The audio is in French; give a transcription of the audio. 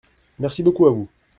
Merci beaucoup à vous !